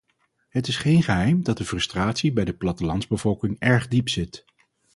Het is geen geheim dat de frustratie bij de plattelandsbevolking erg diep zit.